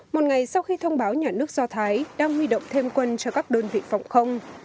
một ngày sau khi thông báo nhà nước do thái đang huy động thêm quân cho các đơn vị phòng không